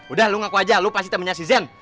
udah lo ngaku aja lo pasti temennya si zen